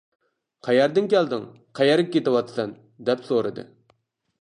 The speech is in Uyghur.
-قەيەردىن كەلدىڭ، قەيەرگە كېتىۋاتىسەن؟ -دەپ سورىدى.